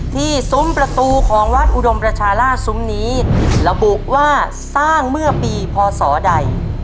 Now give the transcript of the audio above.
ซุ้มประตูของวัดอุดมประชาราชซุ้มนี้ระบุว่าสร้างเมื่อปีพศใด